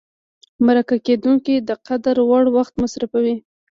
مرکه کېدونکی د قدر وړ وخت مصرفوي.